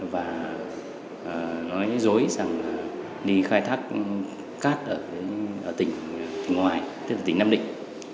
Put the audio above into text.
và nói dối rằng đi khai thác cát ở tỉnh ngoài tức là tỉnh nam định